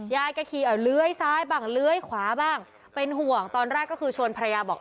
ยายก็ขี่เลื้อยซ้ายบ้างเลื้อยขวาบ้างเป็นห่วงตอนแรกก็คือชวนภรรยาบอก